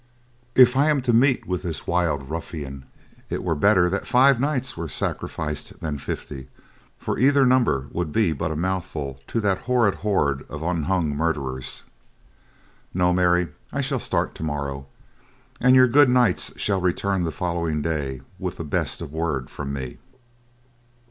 "If I am to meet with this wild ruffian, it were better that five knights were sacrificed than fifty, for either number would be but a mouthful to that horrid horde of unhung murderers. No, Mary, I shall start tomorrow and your good knights shall return the following day with the best of word from me."